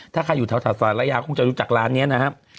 ถ้าใครอยู่แถวสารยาคงจะรู้จักร้านนี้นะครับ